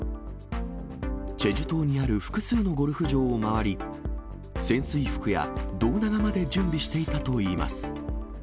チェジュ島にある複数のゴルフ場を回り、潜水服や胴長まで準備していたといいます。